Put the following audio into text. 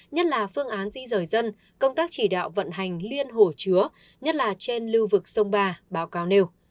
nhất là phương án di rời dân công tác chỉ đạo vận hành liên hồ chứa nhất là trên lưu vực sông ba báo cáo nêu